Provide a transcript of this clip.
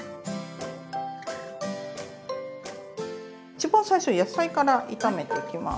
一番最初に野菜から炒めていきます。